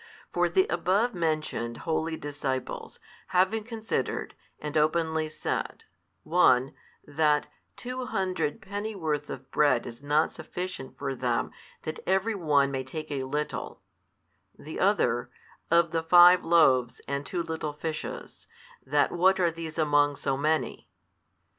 For the above mentioned holy disciples, having considered, and openly said, one, that Two hundred pennyworth of bread is not sufficient for them that every one may take a little, the other, of the five loaves and two little fishes, that what are these among so many?